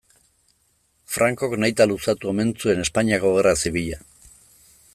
Francok nahita luzatu omen zuen Espainiako gerra zibila.